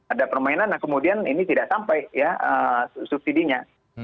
ada permainan nah kemudian ini tidak sampai ya subsidi nya